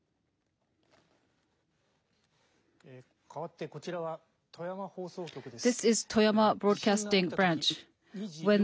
かわってこちらは、富山放送局です。